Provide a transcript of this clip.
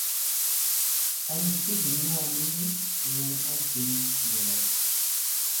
An cukni wanni mayan a zum ŋgollo.